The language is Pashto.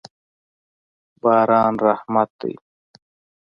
باران رحمت دی.